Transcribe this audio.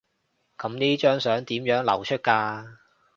噉呢張相點樣流出㗎？